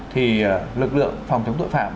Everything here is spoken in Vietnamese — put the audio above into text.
thì lực lượng phòng chống tội phạm